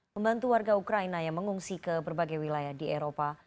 membantu warga ukraina yang mengungsi ke berbagai wilayah di eropa